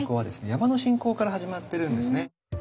山の信仰から始まってるんですね。